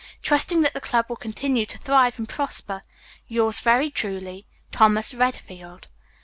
Trusting that the club will continue to thrive and prosper, "Yours very truly, "THOMAS REDFIELD."